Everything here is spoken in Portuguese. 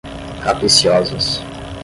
capciosas